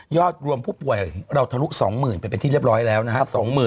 ยอดรวมผู้ป่วยเราทะลุก๒๐๐๐๐ไปเป็นที่เรียบร้อยแล้วนะฮะ๒๑๐๐๐